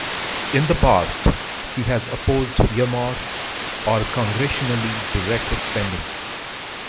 In the past, he has opposed "earmarks", or congressionally directed spending.